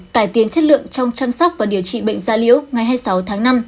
cải tiến chất lượng trong chăm sóc và điều trị bệnh da liễu ngày hai mươi sáu tháng năm